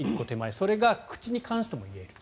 それが口に関しても言える。